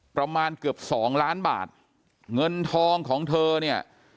ประมาณเกือบสองล้านบาทเงินทองของเธอเนี่ย